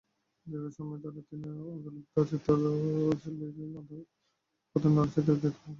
দীর্ঘ সময় ধরে তিনি অধুনালুপ্ত চিত্রালীর প্রধান আলোকচিত্রীর দায়িত্ব পালন করেন।